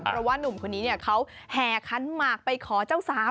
เพราะว่านุ่มคนนี้เขาแห่ขันหมากไปขอเจ้าสาว